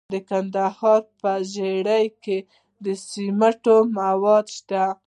د کندهار په ژیړۍ کې د سمنټو مواد شته.